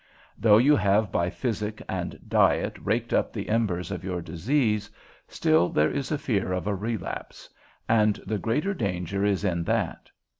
Though you have by physic and diet raked up the embers of your disease, still there is a fear of a relapse; and the greater danger is in that.